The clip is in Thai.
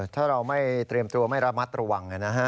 ถ้าเราไม่เตรียมตัวไม่ระมัดระวังอย่างนี้นะฮะ